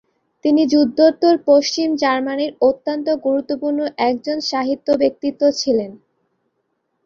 তিনি যুদ্ধোত্তর পশ্চিম জার্মানির অত্যন্ত গুরুত্বপূর্ণ একজন সাহিত্য-ব্যক্তিত্ব ছিলেন।